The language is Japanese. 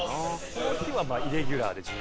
「この日はイレギュラーで１０時」